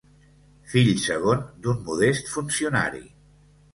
Fill segon d'un modest funcionari.